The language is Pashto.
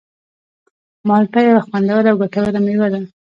مالټه یوه خوندوره او ګټوره مېوه ده.